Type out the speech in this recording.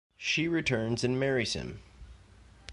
She returns and marries him.